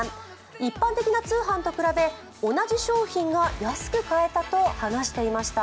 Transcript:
一般的な通販と比べ同じ商品が安く買えたと話していました。